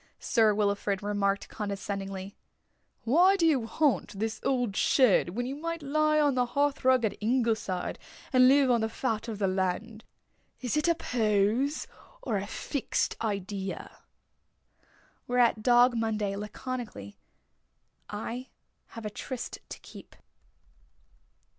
Sir Wilfrid remarked condescendingly: "Why do you haunt this old shed when you might lie on the hearthrug at Ingleside and live on the fat of the land? Is it a pose? Or a fixed idea?" Whereat Dog Monday, laconically: "I have a tryst to keep."